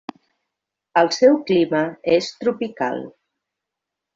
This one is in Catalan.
El seu clima és tropical.